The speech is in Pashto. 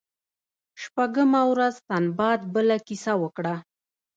شپږمه ورځ سنباد بله کیسه وکړه.